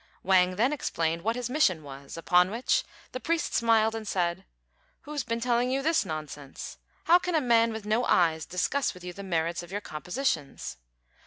Wang then explained what his mission was; upon which the priest smiled and said, "Who's been telling you this nonsense? How can a man with no eyes discuss with you the merits of your compositions?"